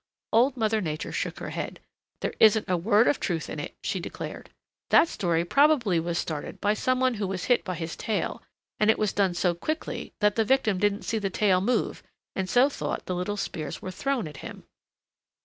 Old Mother Nature shook her head. "There isn't a word of truth in it," she declared. "That story probably was started by some one who was hit by his tail, and it was done so quickly that the victim didn't see the tail move and so thought the little spears were thrown at him."